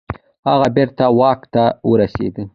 هغه بیرته واک ته ورسیده.